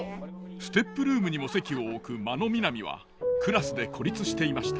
ＳＴＥＰルームにも籍を置く真野みなみはクラスで孤立していました。